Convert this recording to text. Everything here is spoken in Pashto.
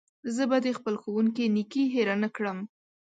زه به د خپل ښوونکي نېکي هېره نه کړم.